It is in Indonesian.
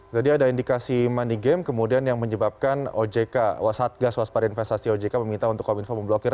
jadi ada indikasi money game kemudian yang menyebabkan ojk wasat gas waspad investasi ojk meminta untuk kominfo memblokir